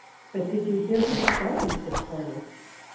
"But did you hear he was gone?" said Corney.